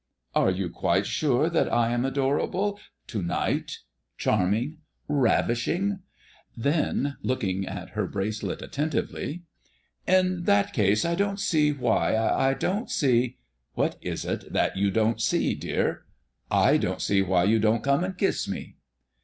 "Are you quite sure that I am adorable to night, charming, ravishing?" Then, looking at her bracelet attentively, "In that case I don't see why I don't see " "What is it that you don't see, dear?" "I don't see why you don't come and kiss me."